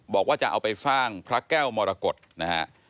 บอกว่าจะเอาไปสร้างพระแก้วมรกฏนะฮะ